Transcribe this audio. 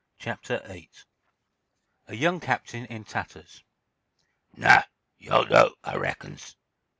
CHAPTER VIII: A YOUNG CAPTAIN IN TATTERS "Now, yo'll do, Ah reckons."